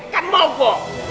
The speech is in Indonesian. kan mau kok